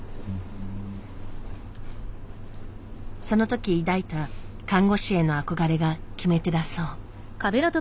そのとき抱いた看護師への憧れが決め手だそう。